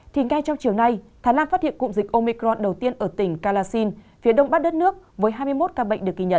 thì ngay trong chiều nay thái lan phát hiện cụm dịch omicron đầu tiên ở tỉnh karasin phía đông bắc đất nước với hai mươi một ca bệnh được ghi nhận